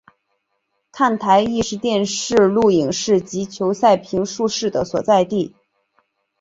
看台亦是电视录影室及球赛评述室的所在地。